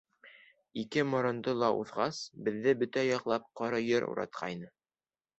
Ике морондо ла уҙғас, беҙҙе бөтә яҡлап ҡоро ер уратҡайны.